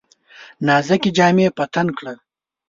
نازکي جامې په تن کړه !